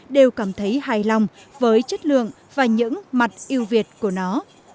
đều cảm thấy hài lòng với chất lượng và những mặt yêu việt của nó